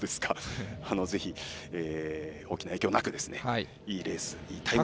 ぜひ大きな影響なくいいレース、いいタイムを。